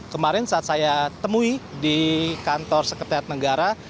kemarin saat saya temui di kantor sekretariat negara